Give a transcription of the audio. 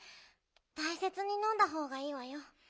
たいせつにのんだほうがいいわよ。